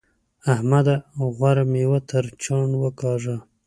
احمده! غوره مېوه تر چاڼ وکاږه.